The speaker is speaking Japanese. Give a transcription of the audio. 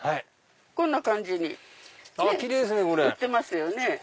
こんな感じに売ってますよね。